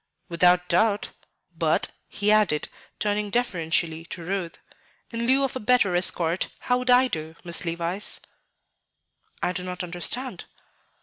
"Without doubt. But," he added, turning deferentially to Ruth, "in lieu of a better escort, how would I do, Miss Levice?" "I do not understand."